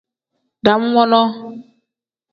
Dam wonoo.